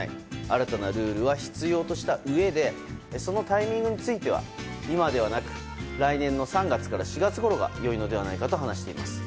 新たなルールは必要としたうえでそのタイミングについては今ではなく来年の３月から４月ごろが良いのではないかと話しています。